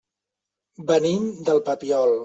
Venim del Papiol.